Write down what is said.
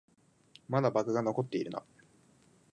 まだバグが残ってるな